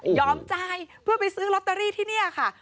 ยอมจ่ายเพื่อไปซื้อลอตเตอรี่ที่นี่ค่ะ